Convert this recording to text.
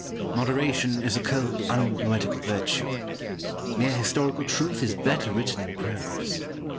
Pope. Moderation is a cold unpoetical virtue. Mere historical truth is better written in prose.